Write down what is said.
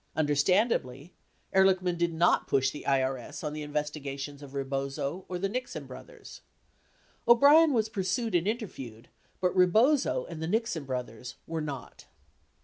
Understandably, Ehrlichman did not push the IRS on the investigations of Rebozo or the Nixon brothers. O'Brien was pursued and interviewed, but Rebozo and the Nixon brothers were not.